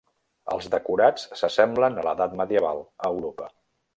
Els decorats s'assemblen a l'Edat Medieval a Europa.